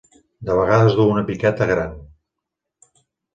De vegades duu una piqueta gran.